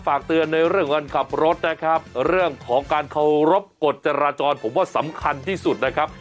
ฝากเตือนในเรื่องการขับรถนะครับเรื่องของการเคารพกฎจราจรผมว่าสำคัญที่สุดนะครับ